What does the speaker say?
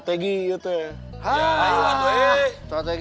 tidak lama ya re